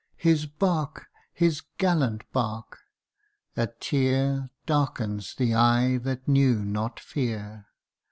His bark ! his gallant bark ! a tear Darkens the eye that knew not fear.